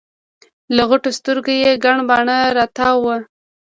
له غټو سترګو یي ګڼ باڼه راتاو وو